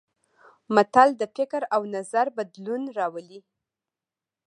متل د فکر او نظر بدلون راولي